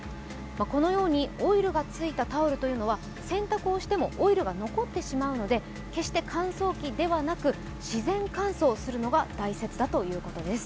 このようにオイルがついたタオルというのは洗濯してもオイルが残ってしまうので決して乾燥機ではなく自然乾燥するのが大切だということです。